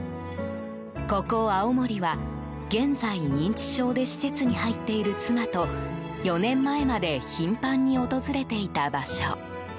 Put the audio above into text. ここ青森は、現在認知症で施設に入っている妻と４年前まで頻繁に訪れていた場所。